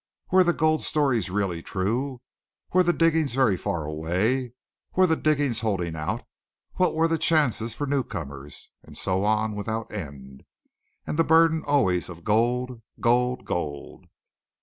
Were the gold stories really true? Were the diggings very far away? Were the diggings holding out? What were the chances for newcomers? And so on without end; and the burden always of gold! gold! gold!